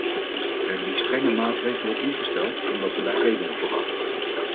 We hebben die strenge maatregelen ingesteld omdat we daar redenen voor hadden.